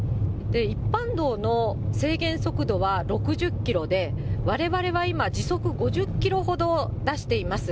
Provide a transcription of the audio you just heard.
一般道の制限速度は６０キロで、われわれは今、時速５０キロほど出しています。